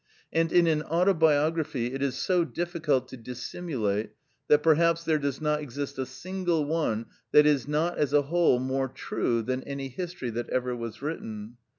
And in an autobiography it is so difficult to dissimulate, that perhaps there does not exist a single one that is not, as a whole, more true, than any history that ever was written.